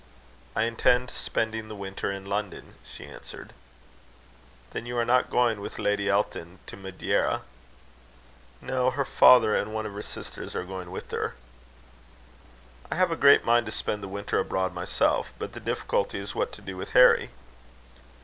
"I intend spending the winter in London," she answered. "Then you are not going with Lady Emily to Madeira?" "No. Her father and one of her sisters are going with her." "I have a great mind to spend the winter abroad myself; but the difficulty is what to do with Harry."